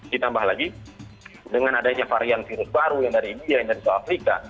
ditambah lagi dengan adanya varian virus baru yang dari india yang dari soal afrika